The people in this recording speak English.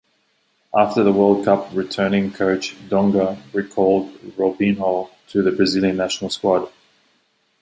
After the World Cup, returning coach Dunga recalled Robinho to the Brazilian national squad.